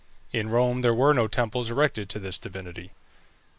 In Rome there were no temples erected to this divinity.